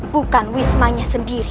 bukan wismanya sendiri